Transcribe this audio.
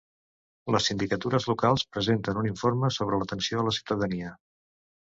Les sindicatures locals presenten un informe sobre l'atenció a la ciutadania.